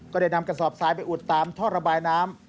ก็ได้นำกระสอบทรายไปอุดตามท่อระบายน้ำ